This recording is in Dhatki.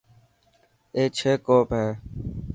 اي ڇهه ڪوپ هي.